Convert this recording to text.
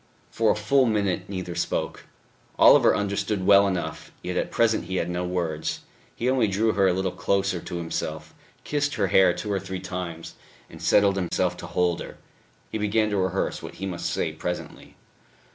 For a full minute neither spoke. Oliver understood well enough, yet at present he had no words. He only drew her a little closer to himself, kissed her hair two or three times, and settled himself to hold her. He began to rehearse what he must say presently.